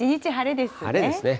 晴れですね。